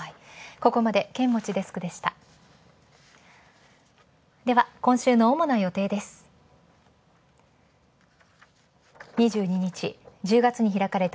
ここまで剣持デスクでした。